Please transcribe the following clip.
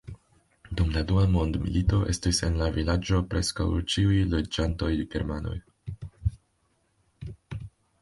Dum la dua mondmilito estis en la vilaĝo preskaŭ ĉiuj loĝantoj germanoj.